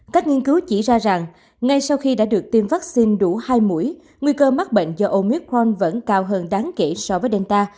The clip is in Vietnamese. các nghiên cứu chỉ ra rằng ngay sau khi đã được tiêm vaccine đủ hai mũi nguy cơ mắc bệnh do omicron vẫn cao hơn đáng kể so với delta